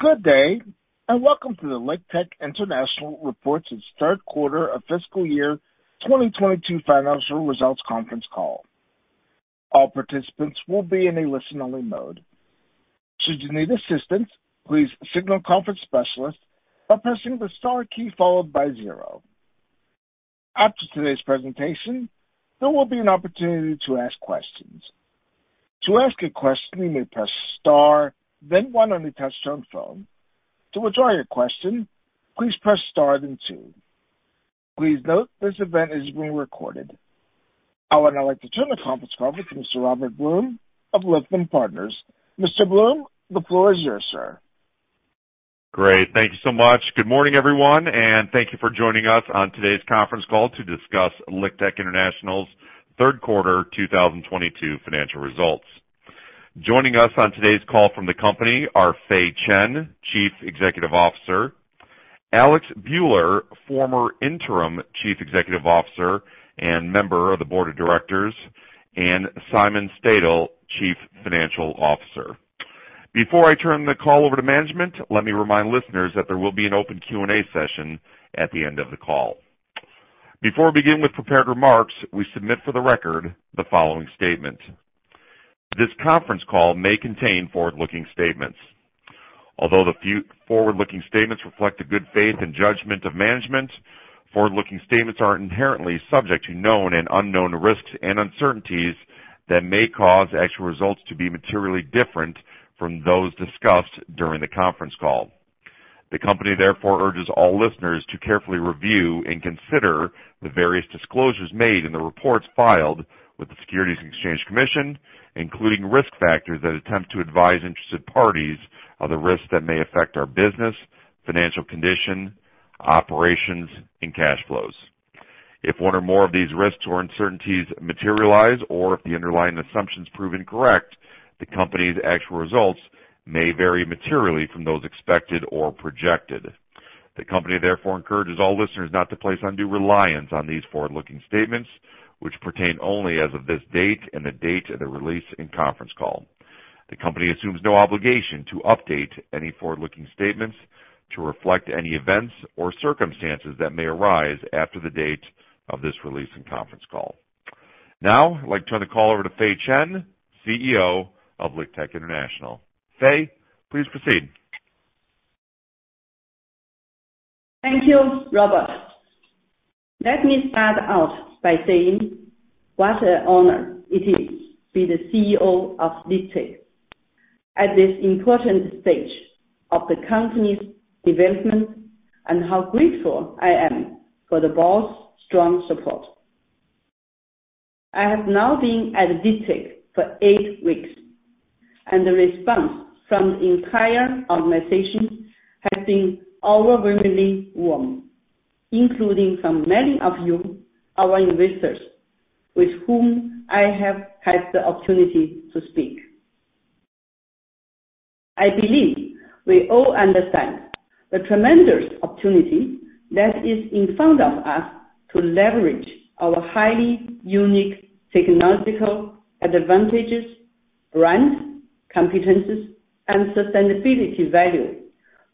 Good day, and welcome to the LiqTech International reports its third quarter of fiscal year 2022 financial results conference call. All participants will be in a listen-only mode. Should you need assistance, please signal conference specialist by pressing the star key followed by zero. After today's presentation, there will be an opportunity to ask questions. To ask a question, you may press star then one on your touchtone phone. To withdraw your question, please press star then two. Please note this event is being recorded. I would now like to turn the conference call over to Mr. Robert Blum of Lytham Partners. Mr. Blum, the floor is yours, sir. Great. Thank you so much. Good morning, everyone, and thank you for joining us on today's conference call to discuss LiqTech International's third quarter 2022 financial results. Joining us on today's call from the company are Fei Chen, Chief Executive Officer, Alex Buehler, former Interim Chief Executive Officer and member of the Board of Directors, and Simon Stadil, Chief Financial Officer. Before I turn the call over to management, let me remind listeners that there will be an open Q&A session at the end of the call. Before we begin with prepared remarks, we submit for the record the following statement. This conference call may contain forward-looking statements. Although these forward-looking statements reflect the good faith and judgment of management, forward-looking statements are inherently subject to known and unknown risks and uncertainties that may cause actual results to be materially different from those discussed during the conference call. The company therefore urges all listeners to carefully review and consider the various disclosures made in the reports filed with the Securities and Exchange Commission, including risk factors that attempt to advise interested parties of the risks that may affect our business, financial condition, operations, and cash flows. If one or more of these risks or uncertainties materialize or if the underlying assumptions prove incorrect, the company's actual results may vary materially from those expected or projected. The company therefore encourages all listeners not to place undue reliance on these forward-looking statements, which pertain only as of this date and the date of the release and conference call. The company assumes no obligation to update any forward-looking statements to reflect any events or circumstances that may arise after the date of this release and conference call. Now, I'd like to turn the call over to Fei Chen, CEO of LiqTech International. Fei, please proceed. Thank you, Robert. Let me start out by saying what an honor it is to be the CEO of LiqTech at this important stage of the company's development and how grateful I am for the board's strong support. I have now been at LiqTech for eight weeks, and the response from the entire organization has been overwhelmingly warm, including from many of you, our investors, with whom I have had the opportunity to speak. I believe we all understand the tremendous opportunity that is in front of us to leverage our highly unique technological advantages, brand competencies, and sustainability value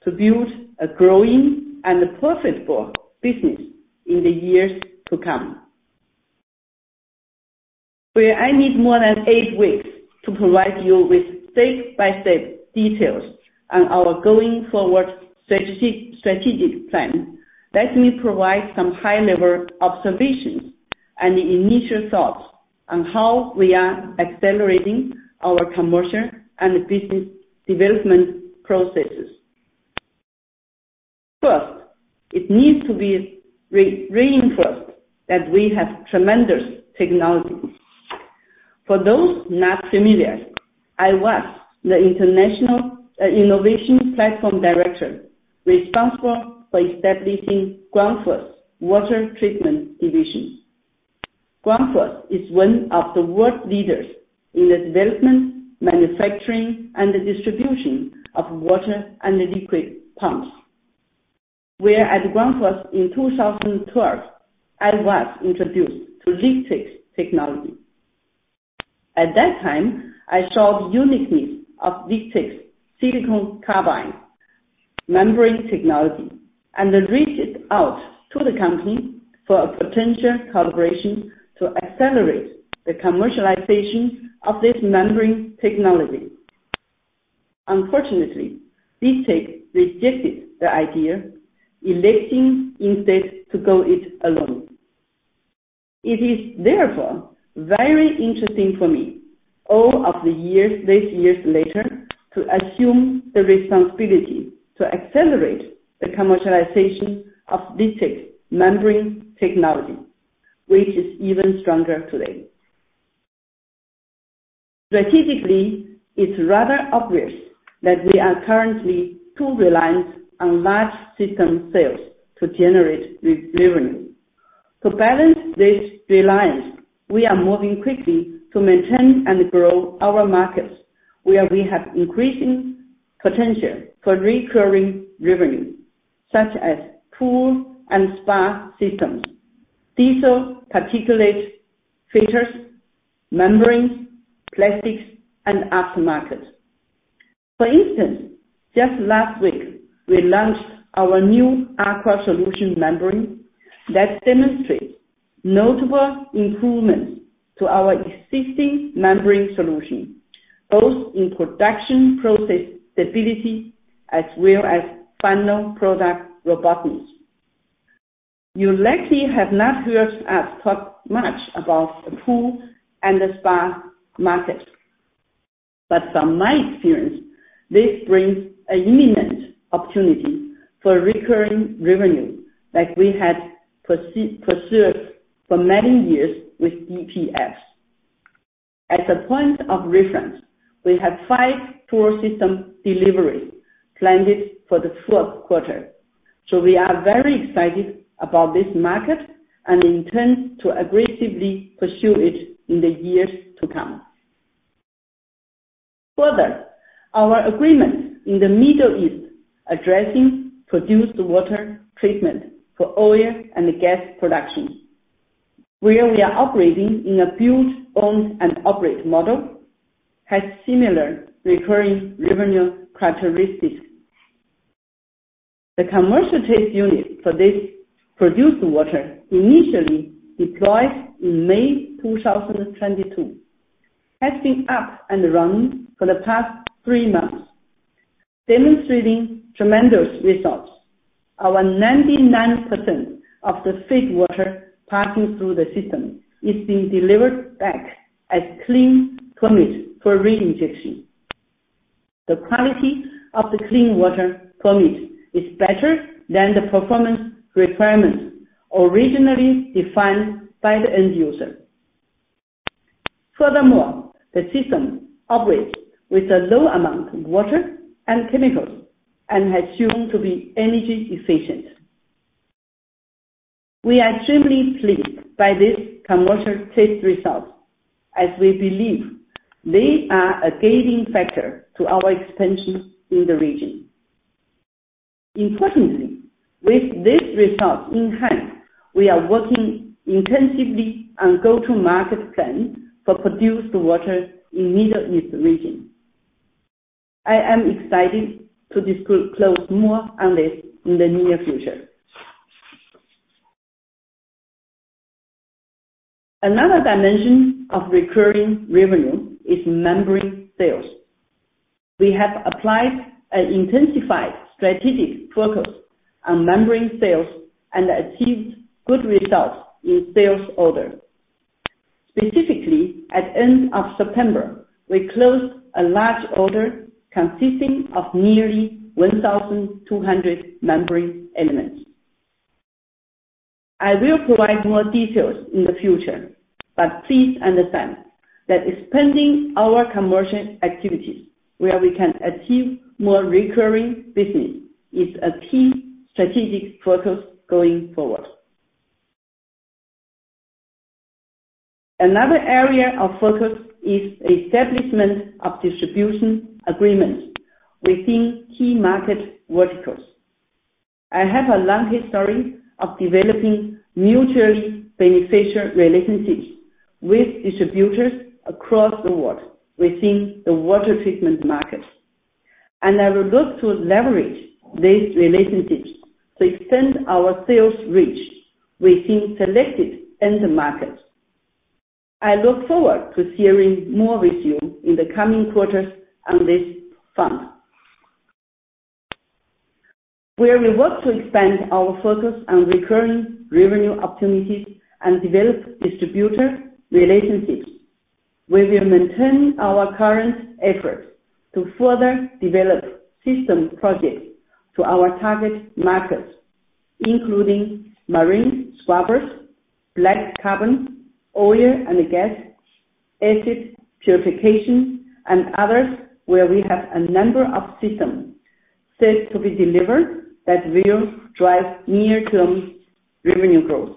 to build a growing and profitable business in the years to come. While I need more than eight weeks to provide you with step-by-step details on our going forward strategic plan, let me provide some high-level observations and initial thoughts on how we are accelerating our commercial and business development processes. First, it needs to be reinforced that we have tremendous technology. For those not familiar, I was the international innovation platform director responsible for establishing Grundfos Water Treatment division. Grundfos is one of the world leaders in the development, manufacturing, and distribution of water and liquid pumps. While at Grundfos in 2012, I was introduced to LiqTech's technology. At that time, I saw the uniqueness of LiqTech's silicon carbide membrane technology and reached out to the company for a potential collaboration to accelerate the commercialization of this membrane technology. Unfortunately, LiqTech rejected the idea, electing instead to go it alone. It is therefore very interesting for me all of the years, these years later, to assume the responsibility to accelerate the commercialization of LiqTech's membrane technology, which is even stronger today. Strategically, it's rather obvious that we are currently too reliant on large system sales to generate revenue. To balance this reliance, we are moving quickly to maintain and grow our markets where we have increasing potential for recurring revenue, such as pool and spa systems, diesel particulate filters, membranes, plastics, and aftermarket. For instance, just last week, we launched our new Aqua Solution membrane that demonstrates notable improvements to our existing membrane solution, both in production process stability as well as final product robustness. You likely have not heard us talk much about the pool and the spa markets, but from my experience, this brings an imminent opportunity for recurring revenue like we had pursued for many years with DPFs. As a point of reference, we have 5 pool system delivery planned for the fourth quarter. We are very excited about this market and intend to aggressively pursue it in the years to come. Further, our agreement in the Middle East addressing produced water treatment for oil and gas production, where we are operating in a build, own and operate model, has similar recurring revenue characteristics. The commercial test unit for this produced water initially deployed in May 2022, has been up and running for the past 3 months, demonstrating tremendous results. Over 99% of the feed water passing through the system is being delivered back as clean permeate for reinjection. The quality of the clean permeate is better than the performance requirements originally defined by the end user. Furthermore, the system operates with a low amount of water and chemicals and has proven to be energy efficient. We are extremely pleased by this commercial test results, as we believe they are a gaining factor to our expansion in the region. Importantly, with this result in hand, we are working intensively on go-to-market plans for produced water in Middle East region. I am excited to disclose more on this in the near future. Another dimension of recurring revenue is membrane sales. We have applied an intensified strategic focus on membrane sales and achieved good results in sales order. Specifically, at end of September, we closed a large order consisting of nearly 1,200 membrane elements. I will provide more details in the future, but please understand that expanding our commercial activities where we can achieve more recurring business is a key strategic focus going forward. Another area of focus is establishment of distribution agreements within key market verticals. I have a long history of developing mutually beneficial relationships with distributors across the world within the water treatment market, and I will look to leverage these relationships to extend our sales reach within selected end markets. I look forward to sharing more with you in the coming quarters on this front. Where we work to expand our focus on recurring revenue opportunities and develop distributor relationships, we will maintain our current efforts to further develop systems projects to our target markets, including marine scrubbers, black carbon, oil and gas, acid purification and others, where we have a number of systems set to be delivered that will drive near-term revenue growth.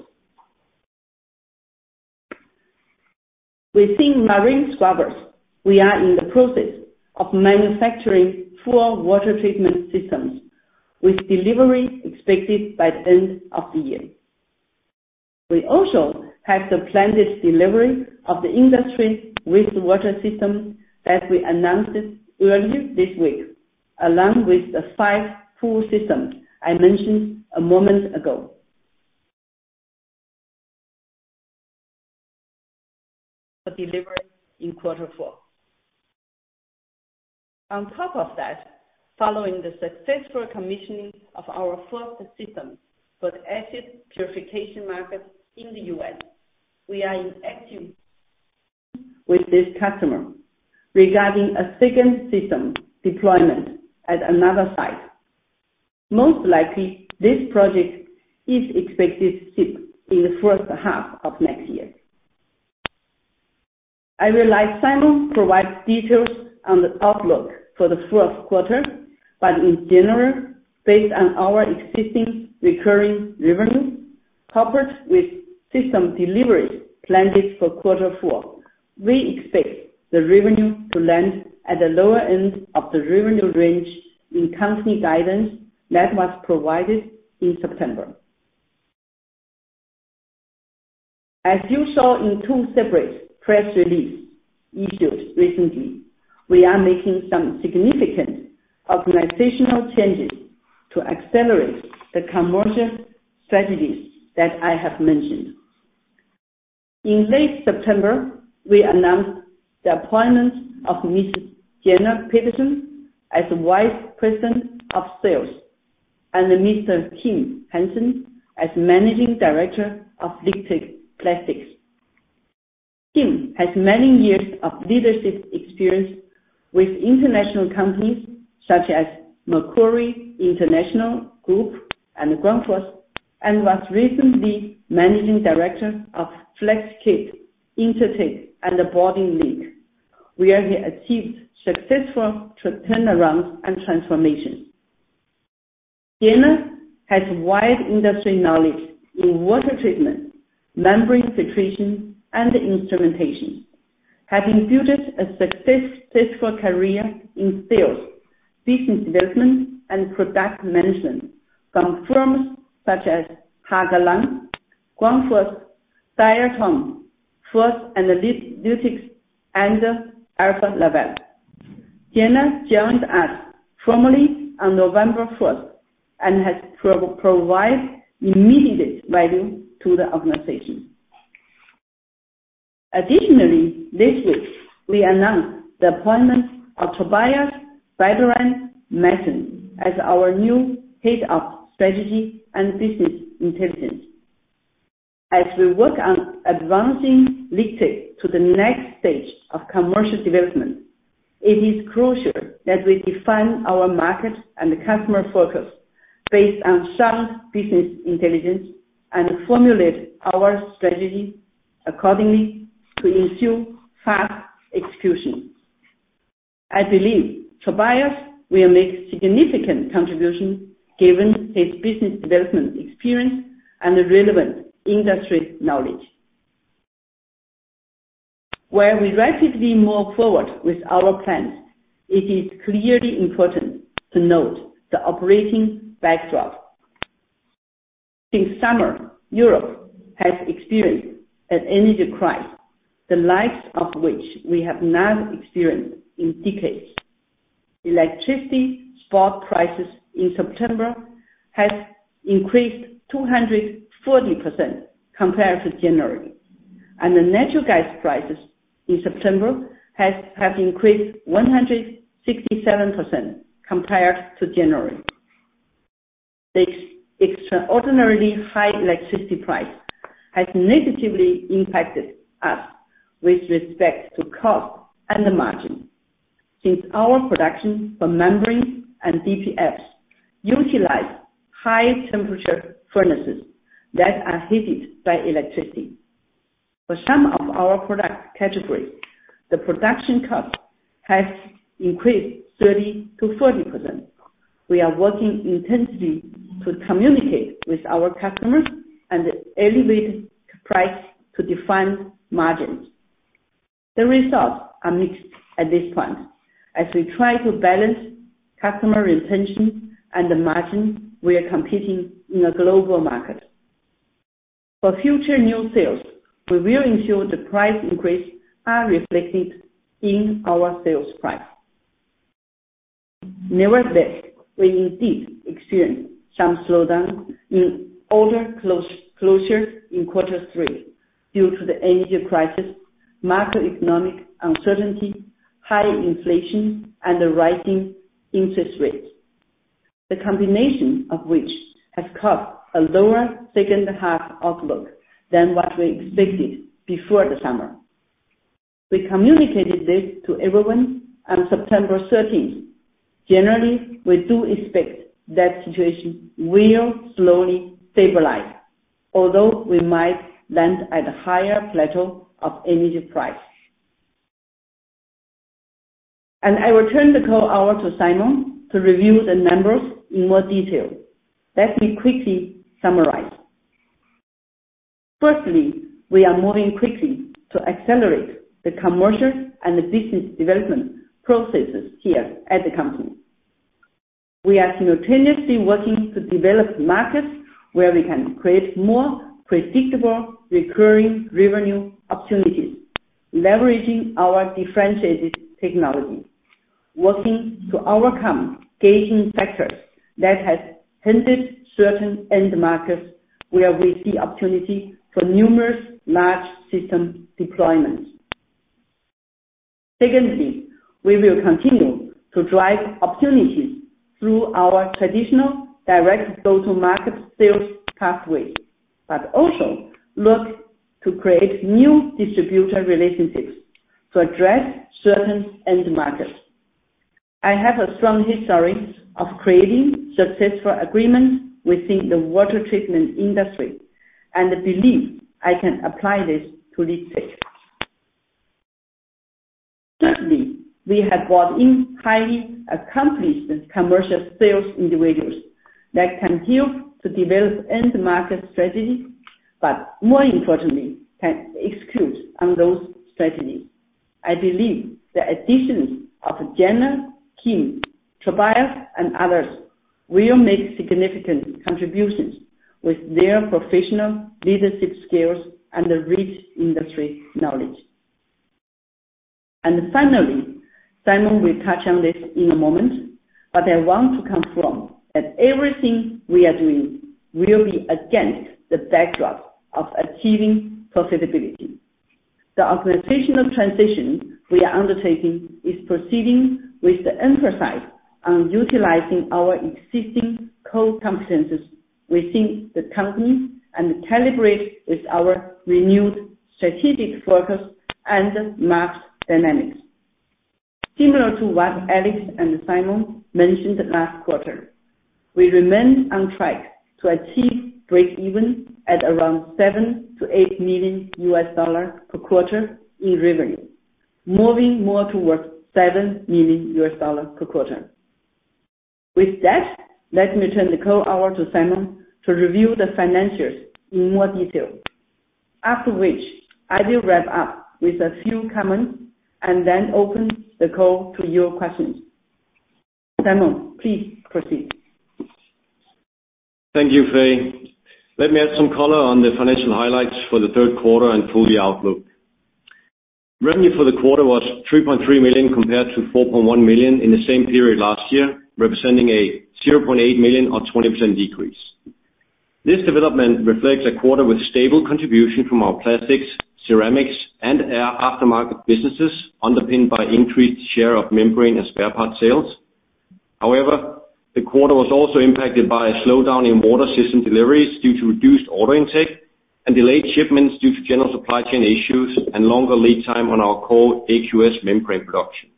Within marine scrubbers, we are in the process of manufacturing 4 water treatment systems, with delivery expected by the end of the year. We also have the planned delivery of the industrial wastewater system that we announced earlier this week, along with the five pool systems I mentioned a moment ago. For delivery in quarter four. On top of that, following the successful commissioning of our first system for the acid purification market in the U.S., we are active with this customer regarding a second system deployment at another site. Most likely, this project is expected to ship in the first half of next year. I will let Simon provide details on the outlook for the fourth quarter. In general, based on our existing recurring revenue coupled with system delivery planned for quarter four. We expect the revenue to land at the lower end of the revenue range in company guidance that was provided in September. As you saw in two separate press releases issued recently, we are making some significant organizational changes to accelerate the commercial strategies that I have mentioned. In late September, we announced the appointment of Ms. Janne Pedersen as Vice President of Sales and Mr. Kim Hansen as Managing Director of LiqTech Plastics. Kim has many years of leadership experience with international companies such as Mercuri International Group and Grundfos, and was recently Managing Director of Flexiket and Bording Link, where he achieved successful turnarounds and transformations. Janne has wide industry knowledge in water treatment, membrane separation, and instrumentation, having built a successful career in sales, business development, and product management from firms such as Hach Lange, Grundfos, Diatom, FOSS Analytical, and Alfa Laval. Janne joins us formally on November first and has to provide immediate value to the organization. Additionally, this week we announced the appointment of Tobias Baldrian Madsen as our new Head of Strategy and Business Intelligence. As we work on advancing LiqTech to the next stage of commercial development, it is crucial that we define our market and customer focus based on sound business intelligence and formulate our strategy accordingly to ensure fast execution. I believe Tobias will make significant contribution given his business development experience and relevant industry knowledge. Where we rapidly move forward with our plans, it is clearly important to note the operating backdrop. This summer, Europe has experienced an energy crisis, the likes of which we have not experienced in decades. Electricity spot prices in September has increased 240% compared to January, and the natural gas prices in September have increased 167% compared to January. This extraordinarily high electricity price has negatively impacted us with respect to cost and the margin, since our production for membrane and DPFs utilize high temperature furnaces that are heated by electricity. For some of our product category, the production cost has increased 30%-40%. We are working intensely to communicate with our customers and elevate price to define margins. The results are mixed at this point as we try to balance customer retention and the margin we are competing in a global market. For future new sales, we will ensure the price increase are reflected in our sales price. Nevertheless, we indeed experienced some slowdown in order close, closure in quarter three due to the energy crisis, macroeconomic uncertainty, high inflation, and the rising interest rates, the combination of which has caused a lower second half outlook than what we expected before the summer. We communicated this to everyone on September thirteenth. Generally, we do expect that situation will slowly stabilize, although we might land at a higher plateau of energy price. I return the call over to Simon to review the numbers in more detail. Let me quickly summarize. Firstly, we are moving quickly to accelerate the commercial and the business development processes here at the company. We are simultaneously working to develop markets where we can create more predictable, recurring revenue opportunities, leveraging our differentiated technology, working to overcome gating factors that has hindered certain end markets where we see opportunity for numerous large system deployments. Secondly, we will continue to drive opportunities through our traditional direct go-to-market sales pathways, but also look to create new distributor relationships to address certain end markets. I have a strong history of creating successful agreements within the water treatment industry, and I believe I can apply this to LiqTech. Currently, we have brought in highly accomplished commercial sales individuals that can help to develop end market strategy, but more importantly, can execute on those strategies. I believe the additions of Janne, Kim, Tobias, and others will make significant contributions with their professional leadership skills and the rich industry knowledge. Finally, Simon will touch on this in a moment, but I want to confirm that everything we are doing will be against the backdrop of achieving profitability. The organizational transition we are undertaking is proceeding with the emphasis on utilizing our existing core competencies within the company and calibrate with our renewed strategic focus and market dynamics. Similar to what Alex and Simon mentioned last quarter, we remained on track to achieve breakeven at around $7 million-$8 million per quarter in revenue, moving more towards $7 million per quarter. With that, let me turn the call over to Simon to review the financials in more detail. After which, I will wrap up with a few comments and then open the call to your questions. Simon, please proceed. Thank you, Fei. Let me add some color on the financial highlights for the third quarter and full year outlook. Revenue for the quarter was $3.3 million compared to $4.1 million in the same period last year, representing a $0.8 million or 20% decrease. This development reflects a quarter with stable contribution from our plastics, ceramics, and air aftermarket businesses underpinned by increased share of membrane and spare parts sales. However, the quarter was also impacted by a slowdown in water system deliveries due to reduced order intake and delayed shipments due to general supply chain issues and longer lead time on our core SiC membrane production.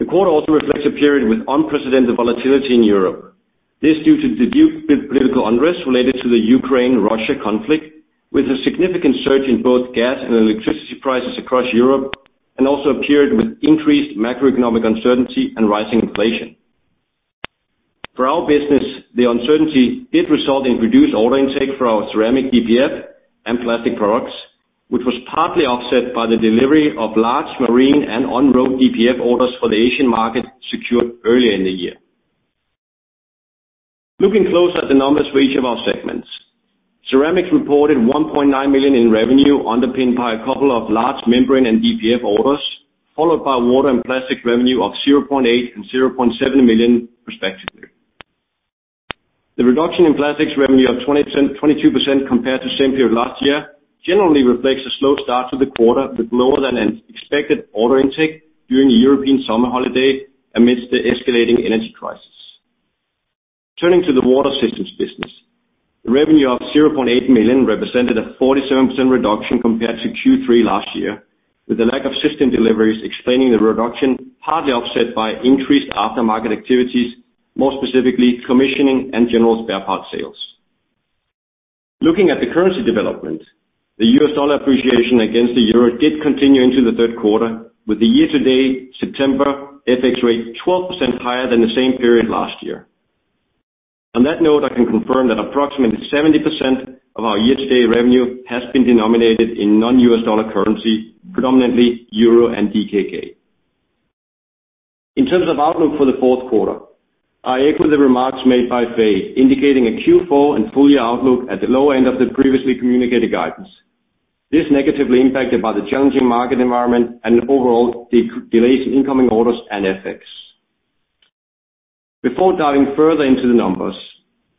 The quarter also reflects a period with unprecedented volatility in Europe. This is due to the geopolitical unrest related to the Ukraine-Russia conflict, with a significant surge in both gas and electricity prices across Europe, and also a period with increased macroeconomic uncertainty and rising inflation. For our business, the uncertainty did result in reduced order intake for our ceramic DPF and plastic products, which was partly offset by the delivery of large marine and on-road DPF orders for the Asian market secured earlier in the year. Looking closely at the numbers for each of our segments. Ceramics reported $1.9 million in revenue underpinned by a couple of large membrane and DPF orders, followed by water and plastic revenue of $0.8 million and $0.7 million respectively. The reduction in plastics revenue of 22% compared to same period last year generally reflects a slow start to the quarter with lower than expected order intake during the European summer holiday amidst the escalating energy crisis. Turning to the water systems business. The revenue of $0.8 million represented a 47% reduction compared to Q3 last year, with the lack of system deliveries explaining the reduction partly offset by increased aftermarket activities, more specifically commissioning and general spare parts sales. Looking at the currency development, the US dollar appreciation against the euro did continue into the third quarter, with the year-to-date September FX rate 12% higher than the same period last year. On that note, I can confirm that approximately 70% of our year-to-date revenue has been denominated in non-US dollar currency, predominantly euro and DKK. In terms of outlook for the fourth quarter, I echo the remarks made by Fei Chen indicating a Q4 and full year outlook at the low end of the previously communicated guidance. This negatively impacted by the challenging market environment and overall delays in incoming orders and FX. Before diving further into the numbers,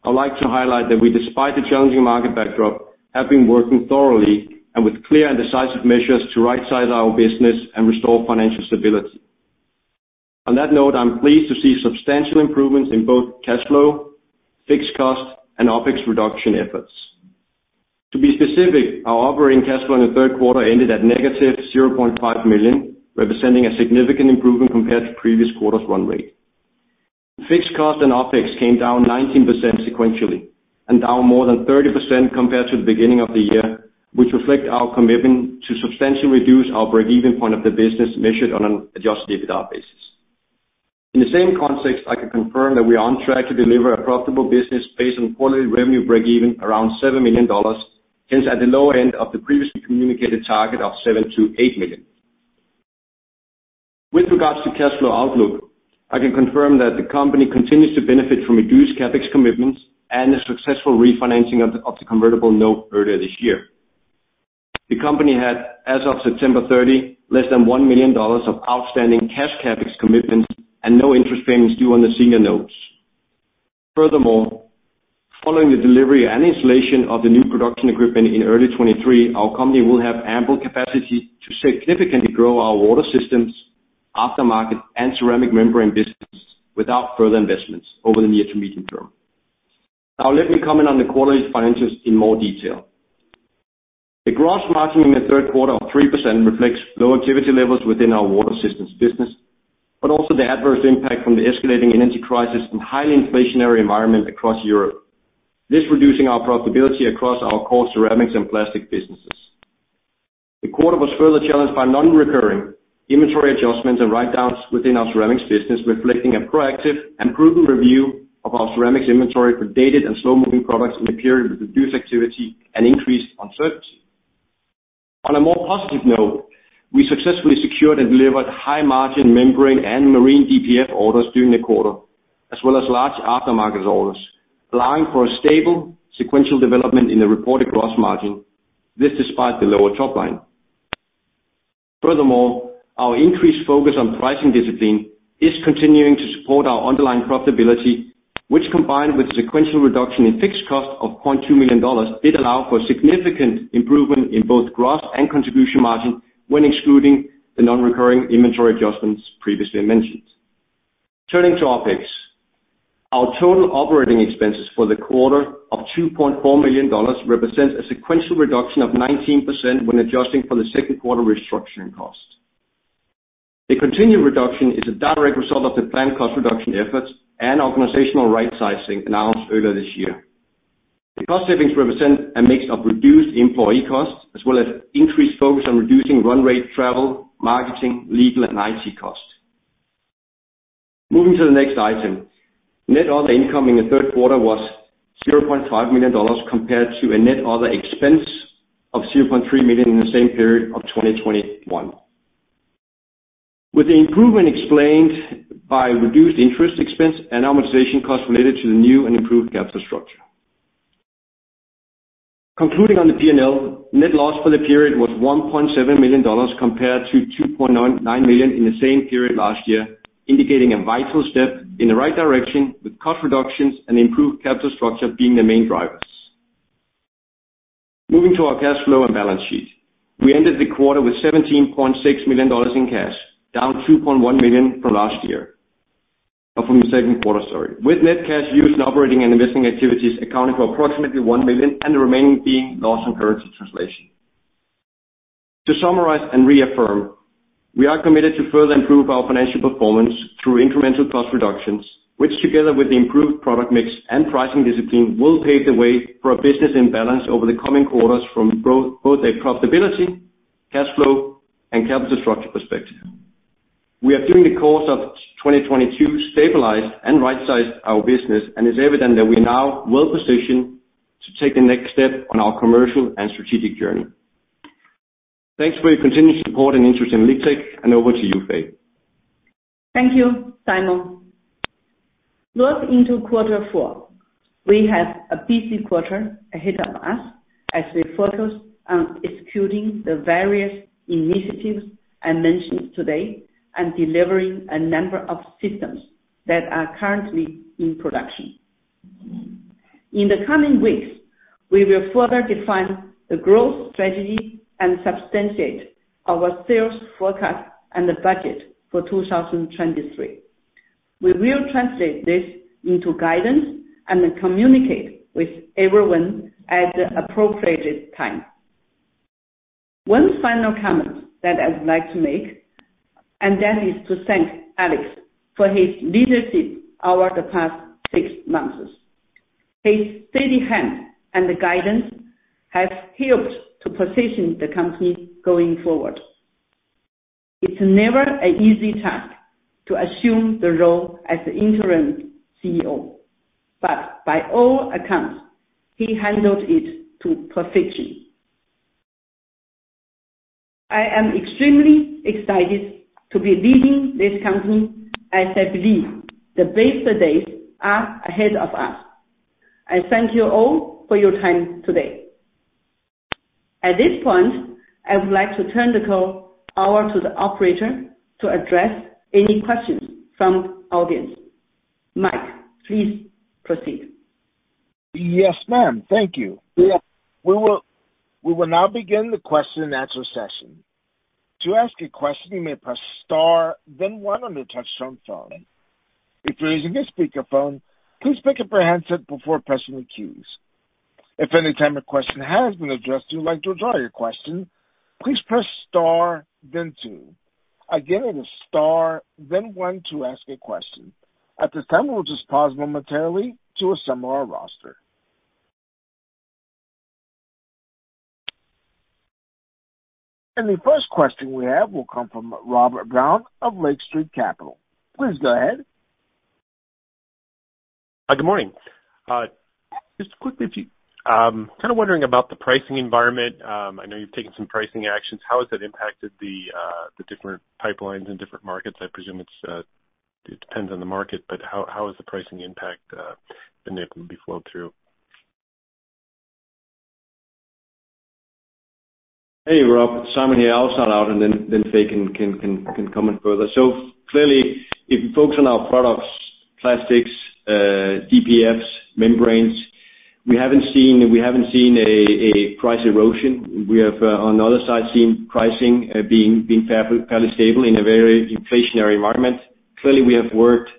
I'd like to highlight that we, despite the challenging market backdrop, have been working thoroughly and with clear and decisive measures to right size our business and restore financial stability. On that note, I'm pleased to see substantial improvements in both cash flow, fixed cost, and OpEx reduction efforts. To be specific, our operating cash flow in the third quarter ended at -$0.5 million, representing a significant improvement compared to previous quarters run rate. Fixed cost and OpEx came down 19% sequentially and down more than 30% compared to the beginning of the year, which reflect our commitment to substantially reduce our break-even point of the business measured on an adjusted EBITDA basis. In the same context, I can confirm that we are on track to deliver a profitable business based on quarterly revenue breakeven around $7 million, hence at the low end of the previously communicated target of $7-$8 million. With regards to cash flow outlook, I can confirm that the company continues to benefit from reduced CapEx commitments and a successful refinancing of the convertible note earlier this year. The company had as of September 30 less than $1 million of outstanding cash CapEx commitments and no interest payments due on the senior notes. Furthermore, following the delivery and installation of the new production equipment in early 2023, our company will have ample capacity to significantly grow our water systems, aftermarket, and ceramic membrane business without further investments over the near to medium term. Now let me comment on the quarterly financials in more detail. The gross margin in the third quarter of 3% reflects low activity levels within our water systems business, but also the adverse impact from the escalating energy crisis and highly inflationary environment across Europe. This reducing our profitability across our core ceramics and plastic businesses. The quarter was further challenged by non-recurring inventory adjustments and write-downs within our ceramics business, reflecting a proactive and prudent review of our ceramics inventory for dated and slow-moving products in a period with reduced activity and increased uncertainty. On a more positive note, we successfully secured and delivered high-margin membrane and marine DPF orders during the quarter, as well as large aftermarket orders, allowing for a stable sequential development in the reported gross margin. This despite the lower top line. Furthermore, our increased focus on pricing discipline is continuing to support our underlying profitability, which combined with sequential reduction in fixed cost of $0.2 million, did allow for significant improvement in both gross and contribution margin when excluding the non-recurring inventory adjustments previously mentioned. Turning to OpEx. Our total operating expenses for the quarter of $2.4 million represents a sequential reduction of 19% when adjusting for the second quarter restructuring cost. The continued reduction is a direct result of the planned cost reduction efforts and organizational rightsizing announced earlier this year. The cost savings represent a mix of reduced employee costs as well as increased focus on reducing run rate, travel, marketing, legal and IT costs. Moving to the next item. Net other income in the third quarter was $0.5 million compared to a net other expense of $0.3 million in the same period of 2021. With the improvement explained by reduced interest expense and amortization costs related to the new and improved capital structure. Concluding on the P&L, net loss for the period was $1.7 million compared to $2.9 million in the same period last year, indicating a vital step in the right direction, with cost reductions and improved capital structure being the main drivers. Moving to our cash flow and balance sheet. We ended the quarter with $17.6 million in cash, down $2.1 million from the second quarter, sorry. With net cash used in operating and investing activities accounting for approximately $1 million and the remaining being loss on currency translation. To summarize and reaffirm, we are committed to further improve our financial performance through incremental cost reductions, which, together with the improved product mix and pricing discipline, will pave the way for a business imbalance over the coming quarters from both a profitability, cash flow, and capital structure perspective. We are during the course of 2022 stabilized and right-sized our business and is evident that we are now well-positioned to take the next step on our commercial and strategic journey. Thanks for your continued support and interest in LiqTech and over to you, Fei. Thank you, Simon. Looking to quarter four. We have a busy quarter ahead of us as we focus on executing the various initiatives I mentioned today and delivering a number of systems that are currently in production. In the coming weeks, we will further define the growth strategy and substantiate our sales forecast and the budget for 2023. We will translate this into guidance and then communicate with everyone at the appropriate time. One final comment that I'd like to make, and that is to thank Alex for his leadership over the past six months. His steady hand and his guidance have helped to position the company going forward. It's never an easy task to assume the role as the interim CEO, but by all accounts, he handled it to perfection. I am extremely excited to be leading this company as I believe the best days are ahead of us. I thank you all for your time today. At this point, I would like to turn the call over to the operator to address any questions from audience. Mike, please proceed. Yes, ma'am. Thank you. We will now begin the question and answer session. To ask a question, you may press star then one on your touchtone phone. If you're using a speakerphone, please pick up your handset before pressing the keys. If at any time your question has been addressed, you would like to withdraw your question, please press star then two. Again, it is star then one to ask a question. At this time, we'll just pause momentarily to assemble our roster. The first question we have will come from Robert Brown of Lake Street Capital Markets. Please go ahead. Good morning. Just quickly, if you kinda wondering about the pricing environment. I know you've taken some pricing actions. How has that impacted the different pipelines in different markets? I presume it's it depends on the market, but how is the pricing impact been able to be flowed through? Hey, Rob, Simon here. I'll start out and then Fei can comment further. Clearly, if you focus on our products, plastics, DPFs, membranes, we haven't seen a price erosion. We have, on the other side, seen pricing being fairly stable in a very inflationary environment. Clearly, we have worked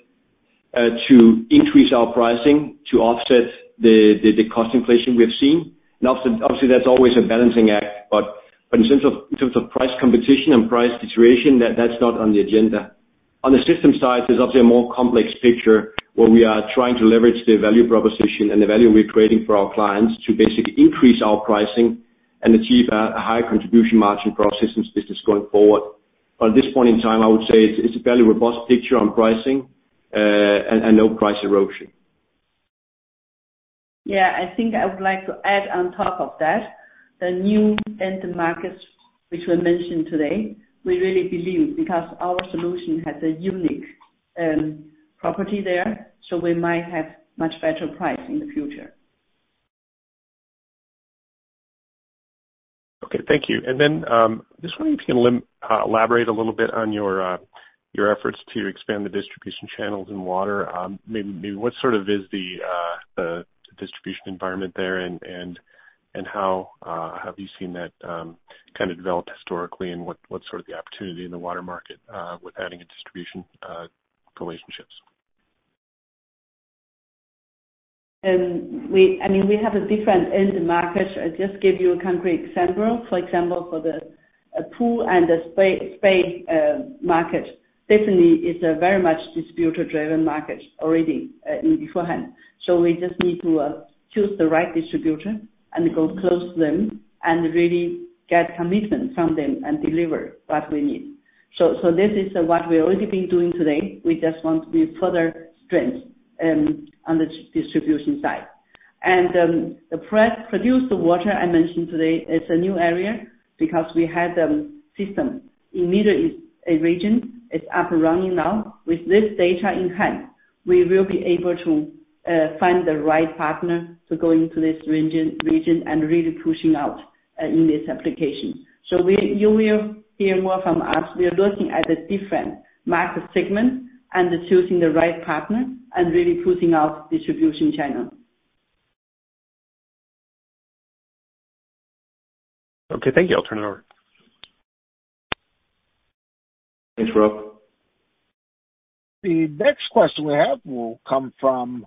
to increase our pricing to offset the cost inflation we have seen. Obviously that's always a balancing act. In terms of price competition and price situation, that's not on the agenda. On the system side, there's obviously a more complex picture where we are trying to leverage the value proposition and the value we're creating for our clients to basically increase our pricing and achieve a higher contribution margin for our systems business going forward. At this point in time, I would say it's a fairly robust picture on pricing, and no price erosion. Yeah, I think I would like to add on top of that the new end markets which were mentioned today. We really believe because our solution has a unique property there, so we might have much better price in the future. Okay, thank you. Just wondering if you can elaborate a little bit on your efforts to expand the distribution channels in water. Maybe what sort of is the distribution environment there and how have you seen that kind of develop historically and what's sort of the opportunity in the water market with adding distribution relationships? I mean, we have a different end market. I just give you a concrete example. For example, for the pool and the spa market, definitely is a very much distributor-driven market already in beforehand. So we just need to choose the right distributor and go close them and really get commitment from them and deliver what we need. So this is what we've already been doing today. We just want to be further strength on the distribution side. The produced water I mentioned today is a new area because we had the system in Middle East region is up and running now. With this data in hand, we will be able to find the right partner to go into this region and really pushing out in this application. You will hear more from us. We are looking at a different market segment and choosing the right partner and really pushing out distribution channel. Okay, thank you. I'll turn it over. Thanks, Rob. The next question we have will come from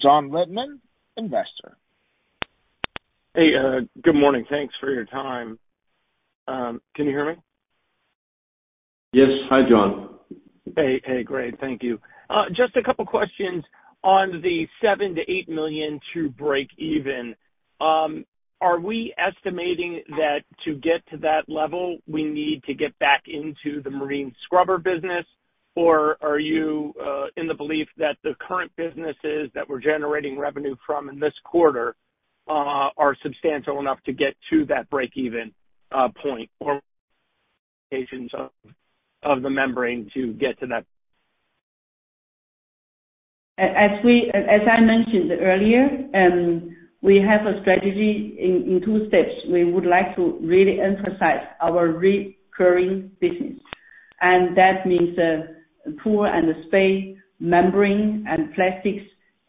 John Littman, Investor. Hey, good morning. Thanks for your time. Can you hear me? Yes. Hi, John. Hey, great. Thank you. Just a couple questions on the $7 million-$8 million to break even. Are we estimating that to get to that level, we need to get back into the marine scrubber business, or are you in the belief that the current businesses that we're generating revenue from in this quarter are substantial enough to get to that break-even point or locations of the membrane to get to that? As I mentioned earlier, we have a strategy in two steps. We would like to really emphasize our recurring business. That means pool and spa, membrane and plastics,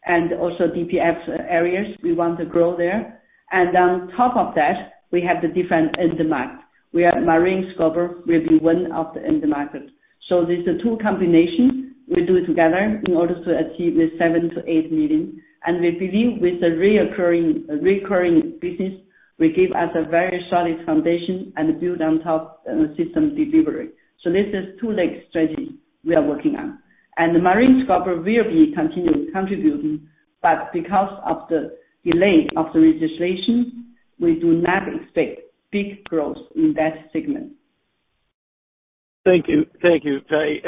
and also DPF areas we want to grow there. On top of that, we have the different end market, where marine scrubber will be one of the end markets. There's the two combinations we do together in order to achieve the $7-$8 million. We believe the recurring business will give us a very solid foundation and build on top, system delivery. This is two-leg strategy we are working on. The marine scrubber will continue contributing, but because of the delay of the registration, we do not expect big growth in that segment. Thank you. Thank you, Fei.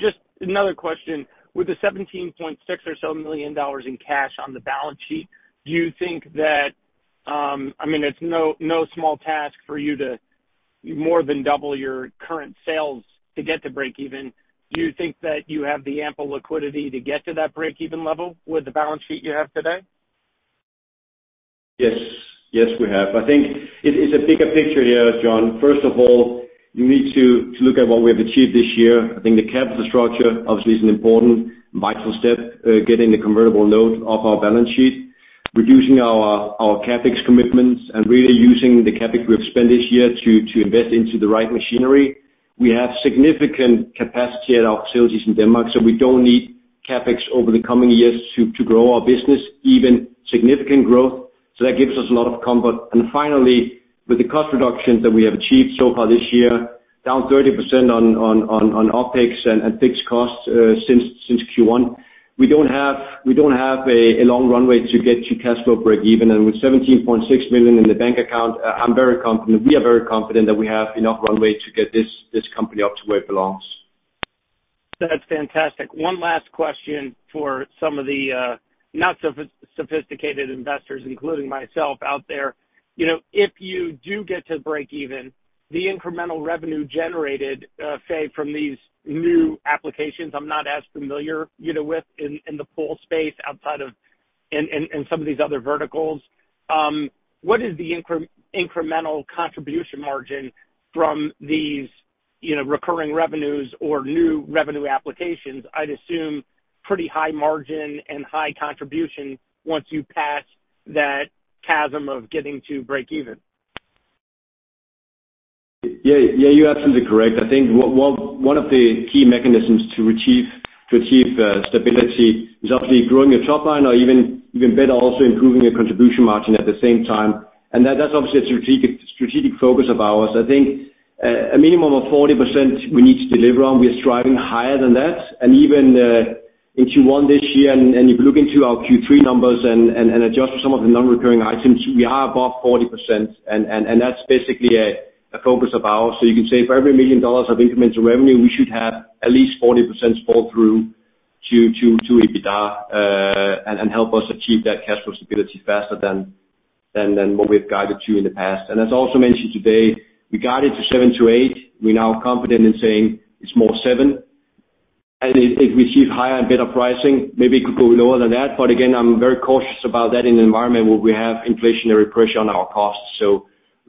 Just another question, with the $17.6 or so million in cash on the balance sheet, do you think that I mean, it's no small task for you to more than double your current sales to get to break even. Do you think that you have the ample liquidity to get to that break even level with the balance sheet you have today? Yes. Yes, we have. I think it is a bigger picture here, John. First of all, you need to look at what we have achieved this year. I think the capital structure obviously is an important, vital step, getting the convertible note off our balance sheet, reducing our CapEx commitments, and really using the CapEx we've spent this year to invest into the right machinery. We have significant capacity at our facilities in Denmark, so we don't need CapEx over the coming years to grow our business, even significant growth. So that gives us a lot of comfort. Finally, with the cost reductions that we have achieved so far this year, down 30% on OpEx and fixed costs, since Q1, we don't have a long runway to get to cash flow break even. With $17.6 million in the bank account, I'm very confident. We are very confident that we have enough runway to get this company up to where it belongs. That's fantastic. One last question for some of the not sophisticated investors, including myself out there. You know, if you do get to break even, the incremental revenue generated, Fei, from these new applications, I'm not as familiar, you know with in the pool space outside of and some of these other verticals. What is the incremental contribution margin from these, you know, recurring revenues or new revenue applications? I'd assume pretty high margin and high contribution once you pass that chasm of getting to break even. Yeah. Yeah, you're absolutely correct. I think one of the key mechanisms to achieve stability is obviously growing your top line or even better also improving your contribution margin at the same time. That's obviously a strategic focus of ours. I think a minimum of 40% we need to deliver on. We are striving higher than that. Even in Q1 this year, if you look into our Q3 numbers and adjust for some of the non-recurring items, we are above 40%. That's basically a focus of ours. You can say for every $1 million of incremental revenue, we should have at least 40% fall through to EBITDA and help us achieve that cash flow stability faster than what we've guided to in the past. As also mentioned today, we guided to 7%-8%. We're now confident in saying it's more 7%. If we achieve higher and better pricing, maybe it could go lower than that. Again, I'm very cautious about that in an environment where we have inflationary pressure on our costs.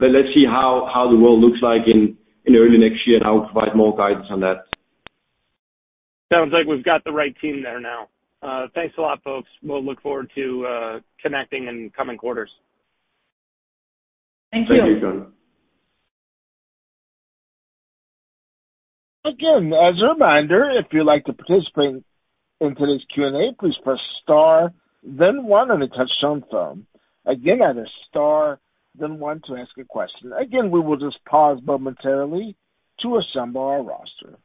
Let's see how the world looks like in early next year, and I'll provide more guidance on that. Sounds like we've got the right team there now. Thanks a lot, folks. We'll look forward to connecting in coming quarters. Thank you. Thank you, John. Again, as a reminder, if you'd like to participate in today's Q&A, please press star then one on a touch-tone phone. Again, that is star then one to ask a question. Again, we will just pause momentarily to assemble our roster.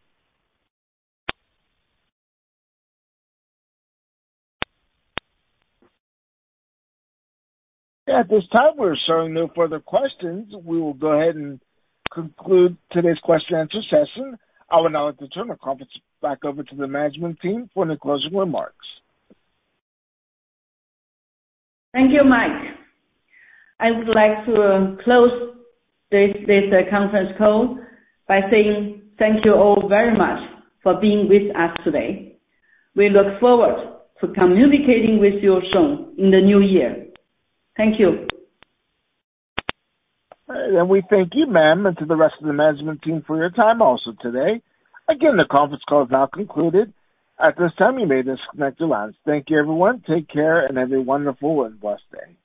At this time, we're showing no further questions. We will go ahead and conclude today's question answer session. I would now like to turn the conference back over to the management team for any closing remarks. Thank you, Mike. I would like to close this conference call by saying thank you all very much for being with us today. We look forward to communicating with you soon in the new year. Thank you. We thank you, ma'am, and to the rest of the management team for your time also today. Again, the conference call is now concluded. At this time, you may disconnect your lines. Thank you, everyone. Take care, and have a wonderful and blessed day.